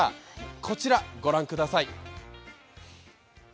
こちら御覧ください。